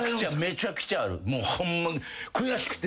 めちゃくちゃある。